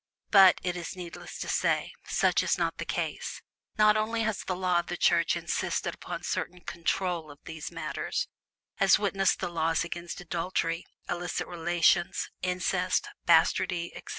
But, it is needless to say, such is not the case. Not only has the Law of the Church insisted upon certain "control" of these matters as witness the laws against adultery, illicit relations, incest, bastardy, etc.